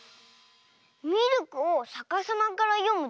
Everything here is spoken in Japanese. ミルクをさかさまからよむとくるみ。